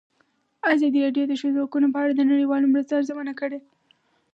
ازادي راډیو د د ښځو حقونه په اړه د نړیوالو مرستو ارزونه کړې.